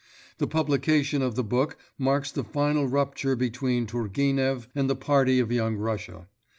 The publication of the book marks the final rupture between Turgenev and the party of Young Russia.